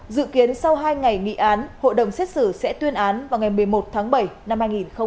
dự kiến sau hai ngày nghị án hội đồng xét xử sẽ tuyên án vào ngày một mươi một tháng bảy năm hai nghìn hai mươi